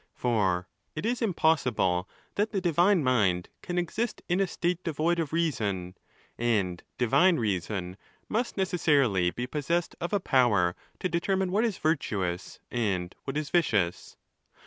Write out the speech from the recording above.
For it is impossible that the divine mind can exist in a state devoid of reason ; and divine reason must necessarily be pos sessed of a power to determine what is virtuous and what is vicious.